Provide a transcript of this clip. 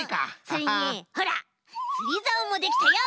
つりざおもできたよ！